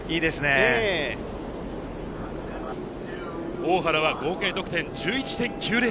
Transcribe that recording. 大原は合計得点１１．９０。